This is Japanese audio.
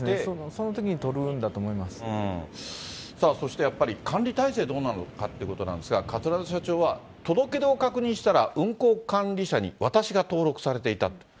そのときに取るんだと思いまさあ、そしてやっぱり管理体制どうなのかということなんですが、桂田社長は、届け出を確認したら、運航管理者に私が登録されていたと。